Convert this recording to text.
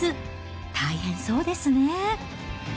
大変そうですね。